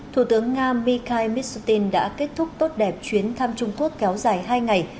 thủ tướng nga mikhai mishustin đã kết thúc tốt đẹp chuyến thăm trung quốc kéo dài hai ngày